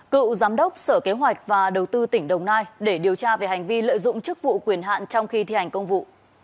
cựu giám đốc sở kế hoạch và đầu tư tỉnh đồng nai để điều tra về hành vi lợi dụng chức vụ quyền hạn trong khi thi hành công vụ